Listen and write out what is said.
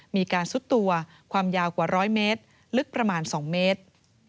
มีการซุดตัวความยาวกว่า๑๐๐เมตรลึกประมาณ๒เมตร